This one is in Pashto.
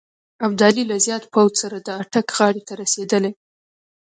ابدالي له زیات پوځ سره د اټک غاړې ته رسېدلی.